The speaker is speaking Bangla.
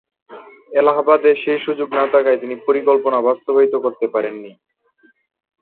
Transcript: এলাহাবাদে সেই সুযোগ না থাকায় তিনি পরিকল্পনা বাস্তবায়িত করতে পারেননি।